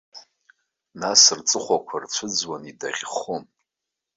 Нас рҵыхәақәа рцәыӡуан, идаӷьхон.